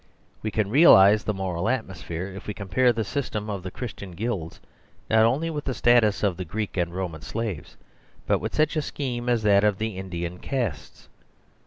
We can realise the moral atmosphere if we compare the system of the Christian guilds, not only with the status of the Greek and Roman slaves, but with such a scheme as that of the Indian castes.